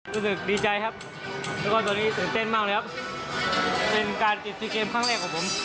รู้สึกดีใจครับแล้วก็ตอนนี้ตื่นเต้นมากเลยครับเป็นการติดซีเกมครั้งแรกของผม